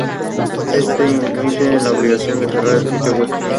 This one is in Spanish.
Todos los elementos de un grupo finito tienen un orden finito.